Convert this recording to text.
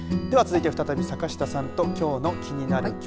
では、続いて再び坂下さんときょうのキニナル！。